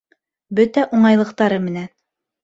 Бөтә уңайлыҡтары менән.